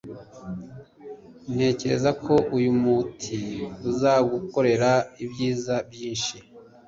Ntekereza ko uyu muti uzagukorera ibyiza byinshi.